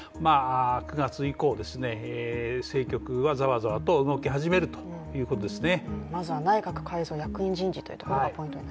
９月以降、政局はざわざわと動き始めるということですね。